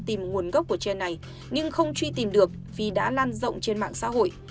tìm nguồn gốc của che này nhưng không truy tìm được vì đã lan rộng trên mạng xã hội